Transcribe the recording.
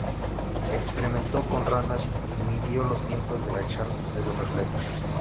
Experimentó con ranas y midió los tiempos de reacción de sus reflejos.